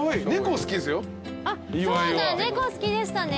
そうだ猫好きでしたね。